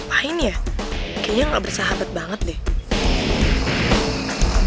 kayaknya gak bersahabat banget deh